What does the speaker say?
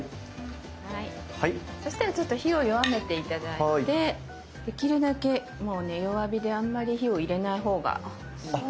そしたらちょっと火を弱めて頂いてできるだけもう弱火であんまり火を入れないほうがいいです。